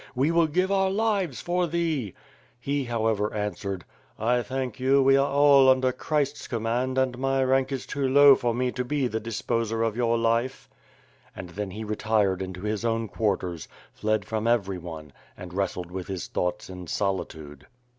We will give our lives for thee!*' He, however, answered: *T[ thank you, we are all under Christ's command and my rank is too low for me to be the disposer of your life. And then he retired into his own quarters, fled from every one, and wrestled with his thoughts in solitude.